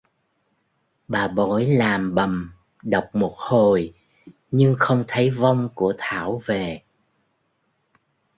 Bà bói làm bầm đọc một hồi nhưng không thấy vong của Thảo về